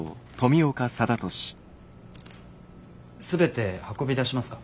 全て運び出しますか？